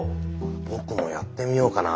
僕もやってみようかな。